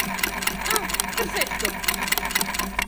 ¡Ah!, perfecto.